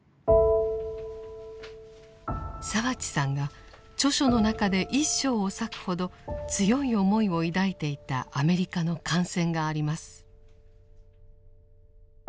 澤地さんが著書の中で一章を割くほど強い思いを抱いていたアメリカの艦船があります。